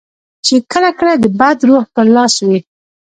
چې کله کله د بد روح پر لاس وي.